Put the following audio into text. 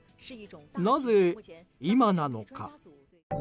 なぜ、今なのか？